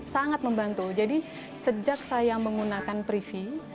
sangat membantu jadi sejak saya menggunakan priving